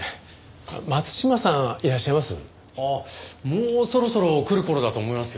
もうそろそろ来る頃だと思いますよ。